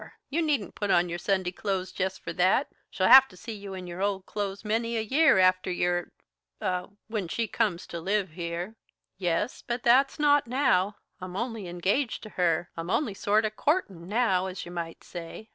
You needn't put on your Sunday clothes jest for that. She'll have to see you in your old clothes many a year after you're ah when she comes to live here." "Yes, but that's not now. I'm only engaged to her; I'm only sort of courtin' now, as you might say."